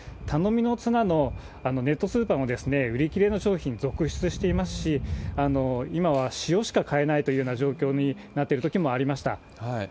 頼みの綱のネットスーパーも、売り切れの商品続出していますし、今は塩しか買えないというような状況になってるときもありました。